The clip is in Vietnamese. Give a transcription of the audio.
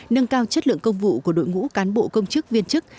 nâng cao chất lượng công vụ của đội ngũ cán bộ công chức viên chức